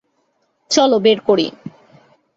চলো বের করি।